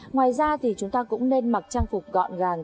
ngoài ra thì chúng ta cũng nên mặc trang phục gọn gàng